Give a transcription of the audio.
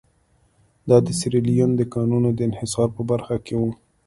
دا د سیریلیون د کانونو د انحصار په برخه کې وو.